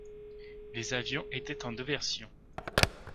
Les avions étaient en deux versions.